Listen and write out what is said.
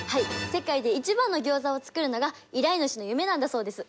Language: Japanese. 世界で一番のギョーザを作るのが依頼主の夢なんだそうです。